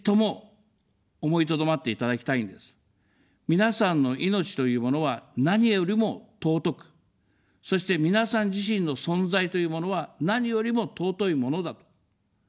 皆さんの命というものは何よりも尊く、そして皆さん自身の存在というものは、何よりも尊いものだと。